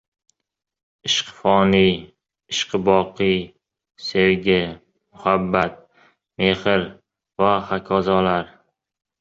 “Ishqi foniy”, “Ishqi boqiy”, “Sevgi”, “Muhabbat”, “Mehr” va hokazolar...